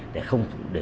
để không bị phá